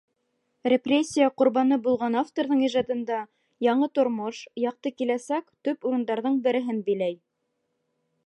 Репрессия ҡорбаны булған авторҙың ижадында яңы тормош, яҡты киләсәк төп урындарҙың береһен биләй.